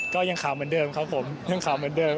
ก็ยังขาวเหมือนเดิมครับผมยังขาวเหมือนเดิม